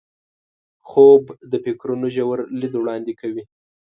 خوب د فکرونو ژور لید وړاندې کوي